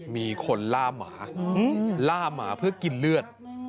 มีคนล่าหมาล่าหมาเพื่อกินเลือด